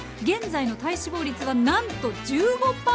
現在の体脂肪率はなんと１５％！